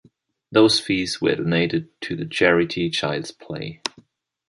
Those fees were donated to the charity Child's Play.